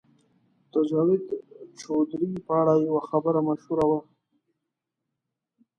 د جاوید چودهري په اړه یوه خبره مشهوره ده.